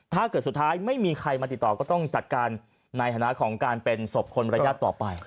สุดท้ายไม่มีใครมาติดต่อก็ต้องจัดการในฐานะของการเป็นศพคนระยะต่อไป